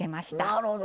なるほど。